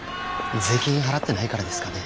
税金払ってないからですかね。